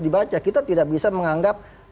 dibaca kita tidak bisa menganggap